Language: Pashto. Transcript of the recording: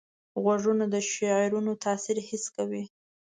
غوږونه د شعرونو تاثیر حس کوي